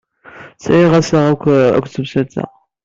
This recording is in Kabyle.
Sɛiɣ assaɣ akked temsalt-a.